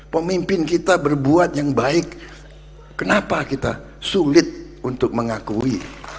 pemimpin kita berbuat yang baik kenapa kita sulit untuk mengakui